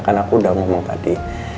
kan aku udah ngomong tadi